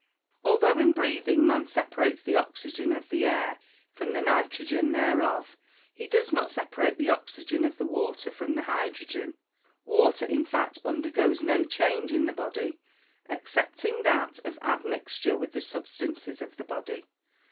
Although, in breathing, man separates the oxygen of the air from the nitrogen thereof, he does not separate the oxygen of the water from the hydrogen. Water, in fact, undergoes no change in the body, excepting that of admixture with the substances of the body.